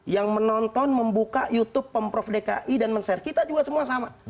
yang menonton membuka youtube pemprov dki dan men share kita juga semua sama